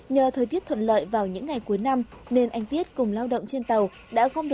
nhờ thời tiết thuận lợi vào những ngày cuối năm nên anh tiết cùng lao động